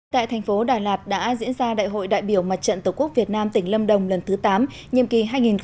tại thành phố đà lạt đã diễn ra đại hội đại biểu mặt trận tổ quốc việt nam tỉnh lâm đồng lần thứ tám nhiệm kỳ hai nghìn một mươi chín hai nghìn hai mươi bốn